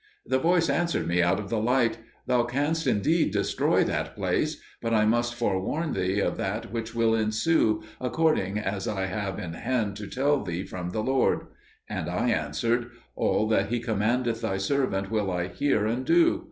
The voice answered me out of the light, "Thou canst indeed destroy that place; but I must forewarn thee of that which will ensue, according as I have in hand to tell thee from the Lord." And I answered, "All that He commandeth thy servant will I hear and do."